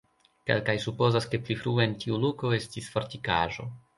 Kelkaj supozas, ke pli frue en tiu loko estis fortikaĵo.